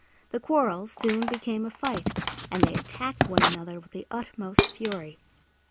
The quarrel soon became a fight and they attacked one another with the utmost fury.